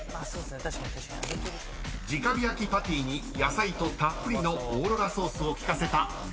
［じか火焼きパティに野菜とたっぷりのオーロラソースを効かせた］